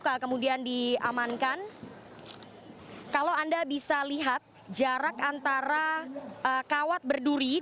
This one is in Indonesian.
tidak bisa terkonfirmasi